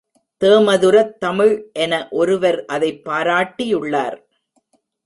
தேமதுரத் தமிழ் என ஒருவர் அதைப் பாராட்டியுள்ளார்.